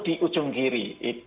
di ujung kiri